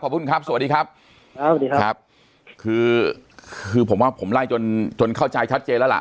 ขอบพระคุณครับสวัสดีครับคือผมว่าผมไล่จนเข้าใจชัดเจนแล้วล่ะ